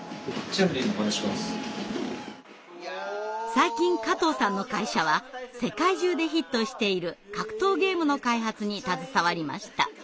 最近加藤さんの会社は世界中でヒットしている格闘ゲームの開発に携わりました。